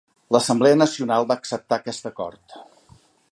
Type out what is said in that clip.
L'Assemblea Nacional va acceptar aquest acord.